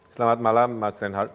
selamat malam mas renhard